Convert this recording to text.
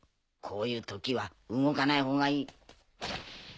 こういう時は動かないほうがいい。